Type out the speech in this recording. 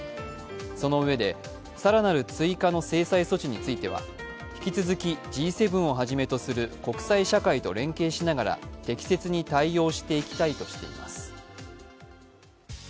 そのうえで、更なる追加の制裁措置については引き続きＧ７をはじめとする国際社会と連携しながら適切に対応していきたいと話しています。